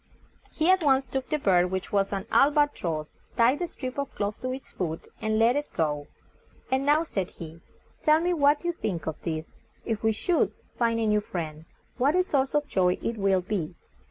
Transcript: He at once took the bird, which was an AL BA TROSS, tied the strip of cloth to its foot, and let it go. "And now," said he, "tell me what you think of this. If we should, find a new friend, what a source of joy it will be.